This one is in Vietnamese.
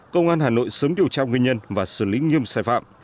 công an hà nội sớm điều tra nguyên nhân và xử lý nghiêm sai phạm